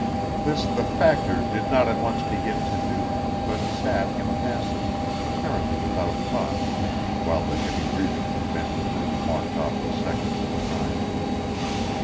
This the Factor did not at once begin to do, but sat impassive apparently without thought while the heavy breathing of the men in the room marked off the seconds of time.